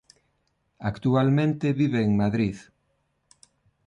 Actualmente vive en Madrid.